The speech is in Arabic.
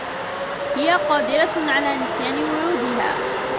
هي قادرة على نسيان وعودها.